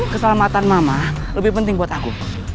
keselamatan mama lebih penting buat aku